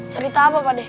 cerita apa pakde